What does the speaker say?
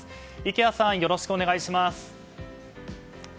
池谷さん、よろしくお願いします。